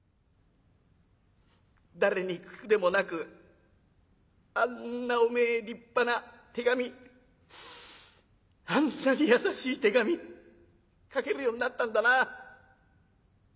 誰に聞くでもなくあんなおめえ立派な手紙あんなに優しい手紙書けるようになったんだな。